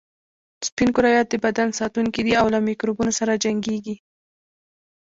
سپین کرویات د بدن ساتونکي دي او له میکروبونو سره جنګیږي